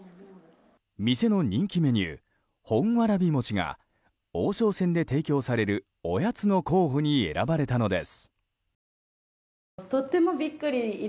店の人気メニュー本わらび餅が王将戦で提供されるおやつの候補に選ばれたのです。